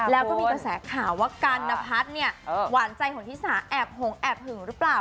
แล้วก็มีกระแสข่าวว่ากันนพัฒน์เนี่ยหวานใจของที่สาแอบหงแอบหึงหรือเปล่า